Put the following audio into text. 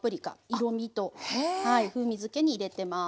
色みと風味づけに入れてます。